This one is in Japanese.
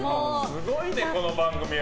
すごいねこの番組は。